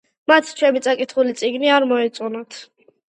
მათ ჩემი წაკითხული წიგნი არ მოეწონათ.